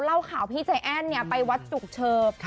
เล่าข่าวพี่ใจแอ้นไปวัดจุกเฉิบ